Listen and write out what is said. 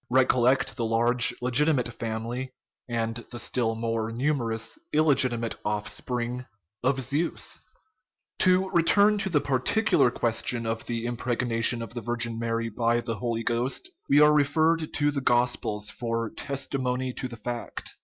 Recollect the large legiti mate family, and the still more numerous illegitimate offspring, of Zeus. 326 SCIENCE AND CHRISTIANITY To return to the particular question of the impreg nation of the Virgin Mary by the Holy Ghost, we are referred to the gospels for testimony to the fact.